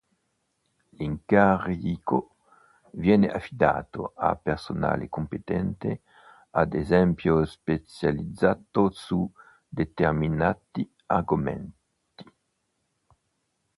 L'incarico viene affidato a personale competente, ad esempio specializzato su determinati argomenti.